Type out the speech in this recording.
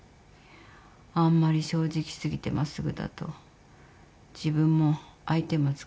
あんまり正直過ぎて真っすぐだと自分も相手も疲れるよ。